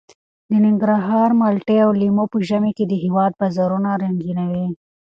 د ننګرهار مالټې او لیمو په ژمي کې د هېواد بازارونه رنګینوي.